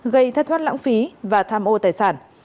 gây thất thoát lãng phí và tham ô tài sản